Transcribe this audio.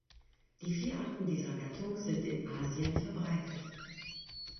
Die vier Arten dieser Gattung sind in Asien verbreitet.